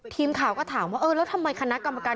ทีมข่าวก็ถามว่าเออแล้วทำไมคณะกรรมการ